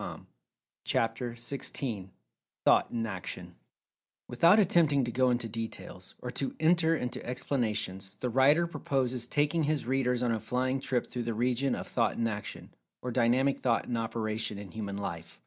"[Pg 219] CHAPTER XVI THOUGHT IN ACTION WITHOUT attempting to go into details, or to enter into explanations, the writer purposes taking his readers on a flying trip through the region of "Thought in Action," or "Dynamic Thought in Operation in Human Life."